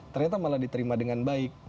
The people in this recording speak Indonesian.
ternyata malah diterima dengan baik